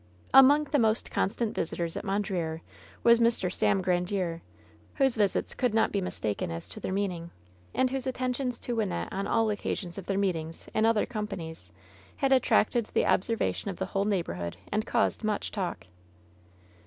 Among the most constant visitors at Mondreer was Mr. Sam Grandiere, whose visits could not be mistaken as to their meaning, and whose attentions to Wynnette on all occasions of their meetings in other companies had attracted the observation of the whole neighborhood and caused much talk.